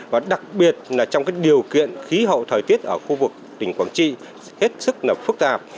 và đặc biệt là trong điều kiện khí hậu thời tiết ở khu vực tỉnh quảng trị hết sức là phức tạp